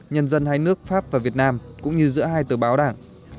nhân dân hai nước pháp và việt nam cũng như giữa hai tờ báo đảng